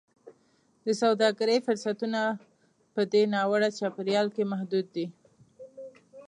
د سوداګرۍ فرصتونه په دې ناوړه چاپېریال کې محدود دي.